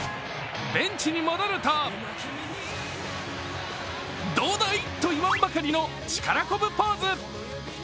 ベンチに戻るとどうだい？と言わんばかりの力こぶポーズ。